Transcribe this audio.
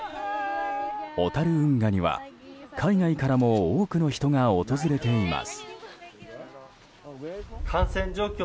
小樽運河には海外からも多くの人が訪れています。